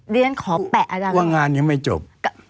เรียนขอแปะอาจารย์ว่างานยังไม่จบ